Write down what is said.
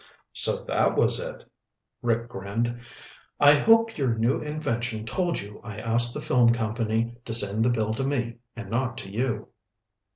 So that was it. Rick grinned. "I hope your new invention told you I asked the film company to send the bill to me and not to you."